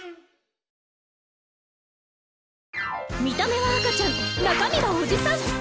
見た目は赤ちゃん中身はおじさん！